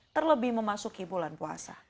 terlebih memasuki bulan puasa